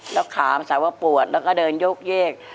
แล้วขามสาวว่าปวดแล้วก็เดินยกเยก